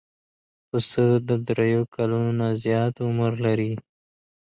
پسه د درېیو کلونو نه زیات عمر لري.